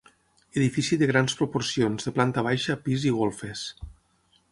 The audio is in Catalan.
Edifici de grans proporcions, de planta baixa, pis i golfes.